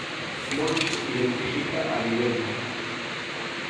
Moncho identifica a vivenda: